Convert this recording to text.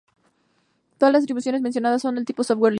Todas las distribuciones mencionadas son de tipo software libre.